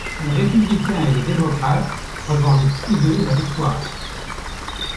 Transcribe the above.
Les républicains et les démocrates revendiquent tous deux la victoire.